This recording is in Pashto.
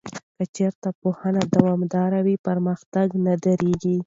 که چېرې پوهنه دوامداره وي، پرمختګ نه درېږي.